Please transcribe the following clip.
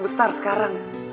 udah besar sekarang